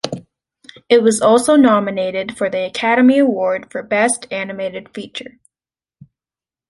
It was also nominated for the Academy Award for Best Animated Feature.